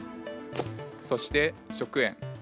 そして食塩。